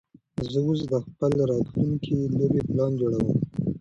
زه اوس د خپلې راتلونکې لوبې پلان جوړوم.